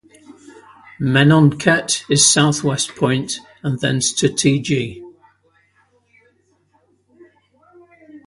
Menonket its Southwest point, and thence to Tg.